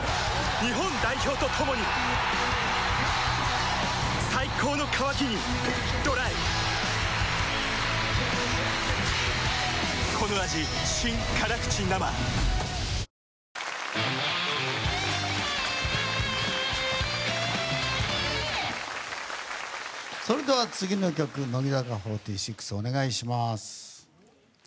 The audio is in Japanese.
日本代表と共に最高の渇きにＤＲＹそれでは次の曲乃木坂４６、お願いします。